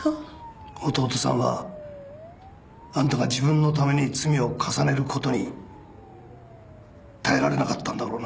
弟さんはあんたが自分のために罪を重ねることに耐えられなかったんだろうな。